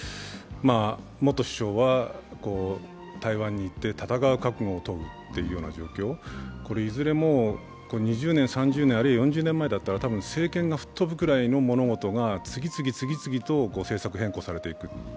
元首相は、台湾に行って戦う覚悟を問うという状況いずれも２０年、３０年、あるいは４０年前だったらたぶん政権が吹っ飛ぶくらいの物事が次々と政策変更されていく。